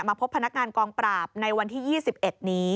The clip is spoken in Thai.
พบพนักงานกองปราบในวันที่๒๑นี้